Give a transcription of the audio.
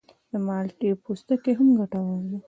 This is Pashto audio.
د مالټې پوستکی هم ګټور دی.